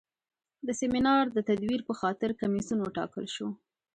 د سیمینار د تدویر په خاطر کمیسیون وټاکل شو.